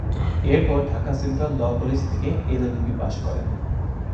এর পর Dhaka central law college থেকে এলএলবি পাশ করেন।